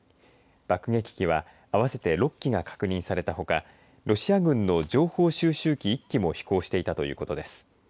爆撃機は合わせて６機が確認されたほかロシア軍の情報収集機１機も飛行していたということです。